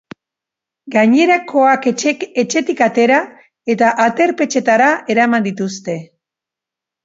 Gainerakoak etxetik atera eta aterpetxetara eraman dituzte.